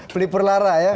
pelipur lara ya